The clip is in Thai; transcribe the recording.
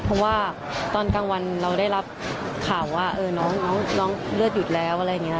เพราะว่าตอนกลางวันเราได้รับข่าวว่าน้องเลือดหยุดแล้วอะไรอย่างนี้